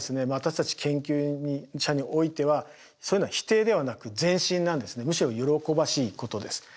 私たち研究者においてはそういうのはむしろ喜ばしいことです。